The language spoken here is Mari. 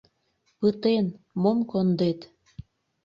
Пытен, мом кондет!